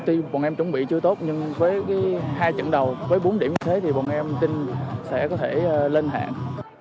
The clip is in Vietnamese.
tuy bọn em chuẩn bị chưa tốt nhưng với hai trận đầu với bốn điểm như thế thì bọn em tin sẽ có thể lên hạn